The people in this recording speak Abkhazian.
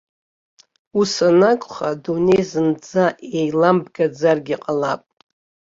Ус анакәха, адунеи зынӡа еилымбгаӡаргьы ҟалап.